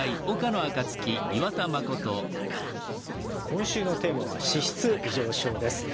今週のテーマは「脂質異常症」です。